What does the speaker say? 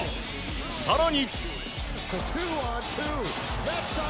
更に。